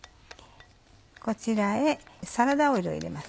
こちらへサラダオイルを入れます。